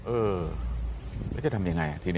เออแล้วจะทำยังไงทีนี้